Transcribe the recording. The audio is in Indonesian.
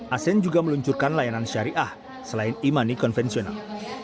asen juga meluncurkan layanan syariah selain e money konvensional